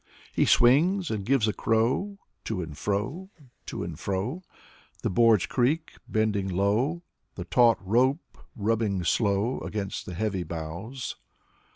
He swings, and gives a crow. To and fro To and fro The boards creak, bending low, The taut rope rubbing slow Against the heavy boughs.